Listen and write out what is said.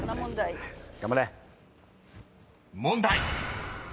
［問題］